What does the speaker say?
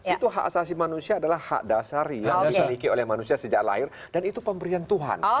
itu hak asasi manusia adalah hak dasari yang dimiliki oleh manusia sejak lahir dan itu pemberian tuhan